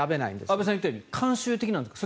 安倍さんが言ったように慣習的なんですか？